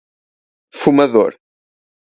Fumador